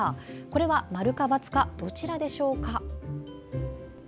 これは〇か×かどちらでしょうか。